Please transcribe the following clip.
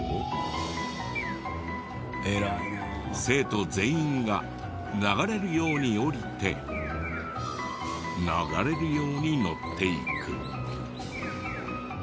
生徒全員が流れるように降りて流れるように乗っていく。